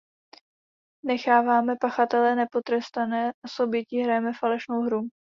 Necháváme pachatele nepotrestané a s obětí hrajeme falešnou hru.